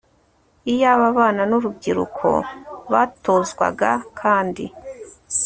Iyaba abana nurubyiruko batozwaga kandi